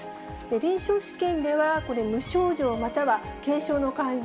臨床試験では、無症状または、軽症の患者